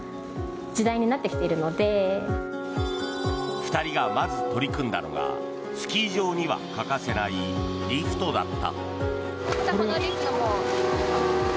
２人がまず取り組んだのがスキー場には欠かせないリフトだった。